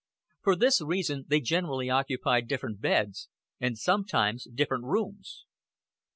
For this reason they generally occupied different beds, and sometimes different rooms.